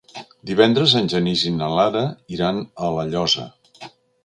Divendres en Genís i na Lara iran a La Llosa.